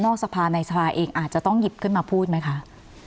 สภาในสภาเองอาจจะต้องหยิบขึ้นมาพูดไหมคะ